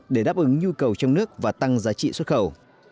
để đáp ứng nhu cầu trong nước và tăng giá trị xuất khẩu